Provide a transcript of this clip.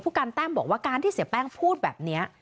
การแต้มบอกว่าการที่เสียแป้งพูดแบบนี้